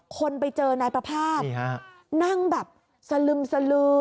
คนไปเจอนายประภาษณ์นั่งแบบสลึมสลือ